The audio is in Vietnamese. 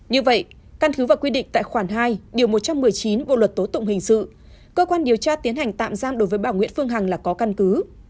như vậy căn cứ và quy định tại khoản hai điều một trăm một mươi chín bộ luật tố tụng hình sự cơ quan điều tra tiến hành tạm giam đối với bà nguyễn phương hằng là có căn cứ